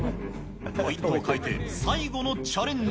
ポイントを変えて、最後のチャレンジ。